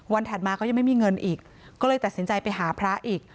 ถัดมาก็ยังไม่มีเงินอีกก็เลยตัดสินใจไปหาพระอีก